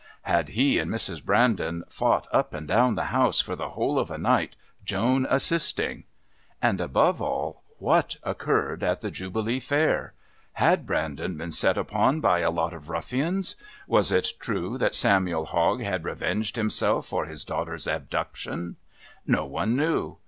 Had he and Mrs. Brandon fought up and down the house for the whole of a night, Joan assisting? And, above all, what occurred at the Jubilee Fair? Had Brandon been set upon by a lot of ruffians? Was it true that Samuel Hogg had revenged himself for his daughter's abduction? No one knew.